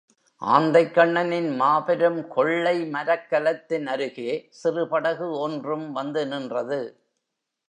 ஆந்தைக்கண்ணனின் மாபெரும் கொள்ளை மரக்கலத்தின் அருகே சிறு படகு ஒன்றும் வந்து நின்றது.